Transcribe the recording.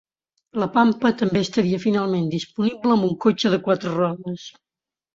La Pampa també estaria finalment disponible amb un cotxe de quatre rodes.